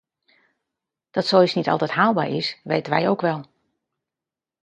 Dat zoiets niet altijd haalbaar is, weten wij ook wel.